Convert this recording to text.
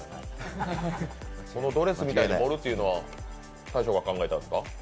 そのドレスみたいに盛るというのは大将が考えたんですか？